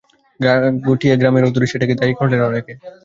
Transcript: ঘাগটিয়া গ্রামের অদূরে একটা রাবার ড্যাম আছে, সেটাকে দায়ী করলেন অনেকে।